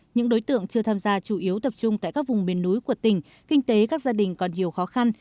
những đối tượng chưa tham gia chủ yếu tập trung tại các vùng miền núi của tỉnh kinh tế các gia đình còn nhiều khó khăn